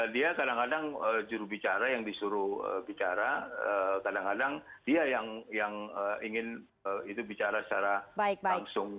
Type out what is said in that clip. dia kadang kadang jurubicara yang disuruh bicara kadang kadang dia yang ingin itu bicara secara langsung